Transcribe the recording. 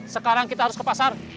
sekarang kita harus ke pasar